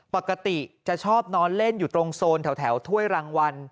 ปกติจะชอบนอนเล่นอยู่ตรงโซนแถวถ้วยรางวัล